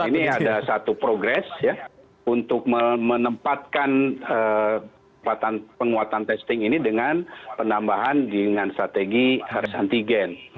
ini ada satu progres ya untuk menempatkan penguatan testing ini dengan penambahan dengan strategi harus antigen